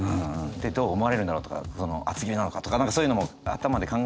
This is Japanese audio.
でどう思われるんだろうとか厚切りなのかとか何かそういうのも頭で考えるぐらい。